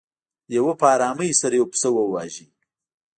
لیوه په ارامۍ سره یو پسه وواژه.